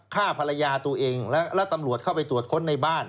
ฆ่าภรรยาตัวเองแล้วตำรวจเข้าไปตรวจค้นในบ้าน